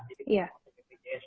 jadi bukan tercover bpjs